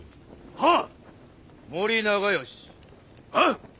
はっ。